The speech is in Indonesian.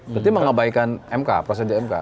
berarti mengabaikan mk prosesnya mk